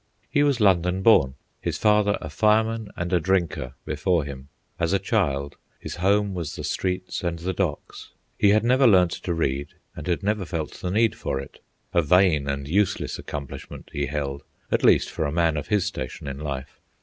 He was London born, his father a fireman and a drinker before him. As a child, his home was the streets and the docks. He had never learned to read, and had never felt the need for it—a vain and useless accomplishment, he held, at least for a man of his station in life.